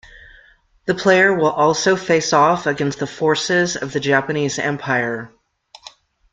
The player will also face off against the forces of the Japanese Empire.